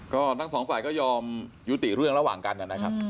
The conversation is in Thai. ก็ทั้งสองฝ่ายก็ยอมยุติเรื่องระหว่างกันนะครับ